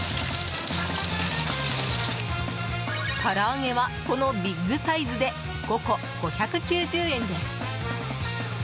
から揚げはこのビッグサイズで５個、５９０円です。